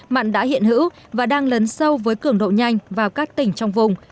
mặn đã hiện hữu và đang lấn sâu với cường độ nhanh vào các tỉnh trong vùng